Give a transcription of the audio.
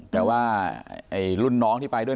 แต่ว่ารุ่นน้องที่ไปด้วย